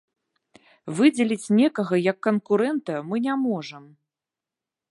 Выдзеліць некага як канкурэнта мы не можам.